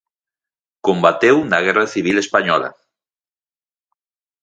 Combateu na guerra civil española.